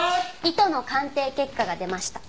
糸の鑑定結果が出ました。